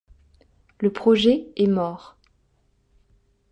Le projet est mort.